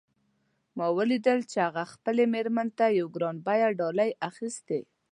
ما ولیدل چې هغه خپلې میرمن ته یوه ګران بیه ډالۍ اخیستې